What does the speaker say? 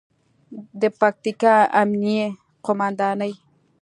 د پکتیا امنیې قوماندانۍ